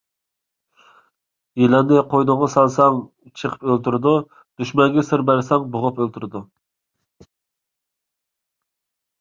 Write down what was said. يىلاننى قوينۇڭغا سالساڭ، چېقىپ ئۆلتۈرىدۇ، دۈشمەنگە سىر بەرسەڭ بوغۇپ ئۆلتۈرىدۇ.